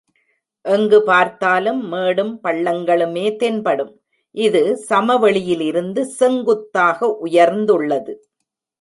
எங்கு பார்த்தாலும் மேடும் பள்ளங்களுமே தென்படும், இது சமவெளியிலிருந்து செங்குத்தாக உயர்ந்துள்ளது.